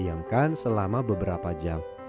dan dihidangkan selama beberapa jam